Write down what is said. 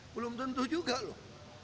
belum tentu juga loh